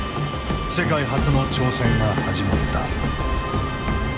世界初の挑戦が始まった。